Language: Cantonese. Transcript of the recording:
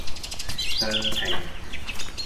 雙拼